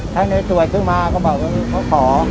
ถ้าไหนสวยกุมมาก็บอกว่าเขาขอ